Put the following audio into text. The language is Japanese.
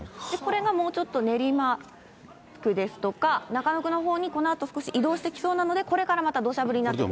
これがもうちょっと練馬区ですとか、中野区のほうにこのあと少し移動してきそうなので、これからまたどしゃ降りになってくると。